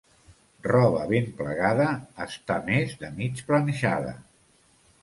Roba ben plegada, està més de mig planxada.